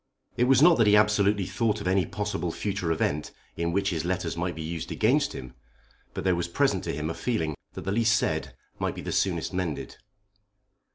It was not that he absolutely thought of any possible future event in which his letters might be used against him, but there was present to him a feeling that the least said might be the soonest mended.